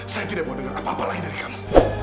saya tidak mau dengar apa apa lagi dari kamu